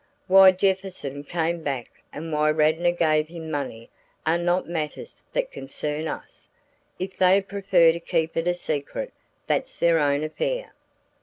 Why Jefferson came back and why Radnor gave him money are not matters that concern us; if they prefer to keep it a secret that's their own affair.